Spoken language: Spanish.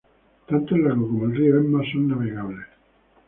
Tanto el lago como el río Ema son navegables.